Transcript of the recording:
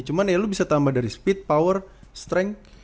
cuman ya lu bisa tambah dari speed power strength